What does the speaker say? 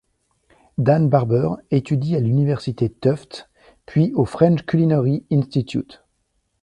Dan Barber étudie à l'université Tufts puis au French Culinary Institute.